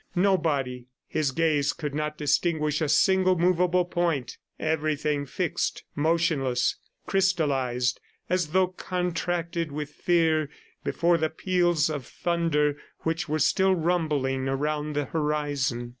Nobody. ... His gaze could not distinguish a single movable point everything fixed, motionless, crystallized, as though contracted with fear before the peals of thunder which were still rumbling around the horizon.